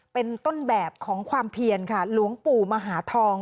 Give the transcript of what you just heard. เป็นต้นแบบของความเพียรค่ะหลวงปู่มหาทอง